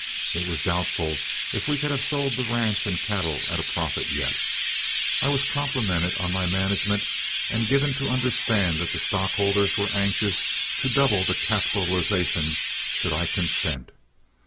It was doubtful if we could have sold the ranch and cattle at a profit, yet I was complimented on my management, and given to understand that the stockholders were anxious to double the capitalization should I consent.